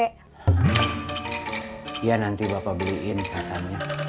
iya nanti bapak beliin pesannya